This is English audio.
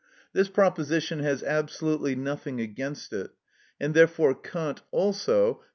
This proposition has absolutely nothing against it; and therefore Kant also (p.